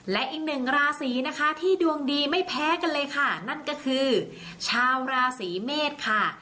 และอีกหนึ่งราศีนะคะที่ดวงดีไม่แพ้กันเลยค่ะนั่นก็คือชาวราศีเมษค่ะ